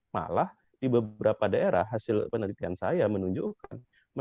malah di beberapa daerah hasil penelitian saya menunjukkan